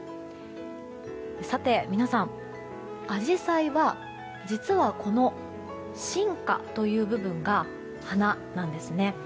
さて皆さん、アジサイは実は、この真花という部分が花なんですね。